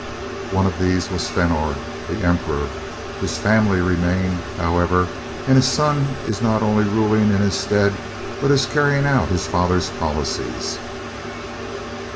One of these was Fenor, the Emperor. His family remain, however, and his son is not only ruling in his stead, but is carrying out his father's policies.